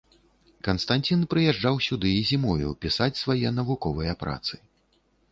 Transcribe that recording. Канстанцін прыязджаў сюды і зімою, пісаць свае навуковыя працы.